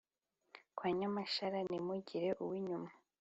kwa nyamashara ntimugira uw'inyuma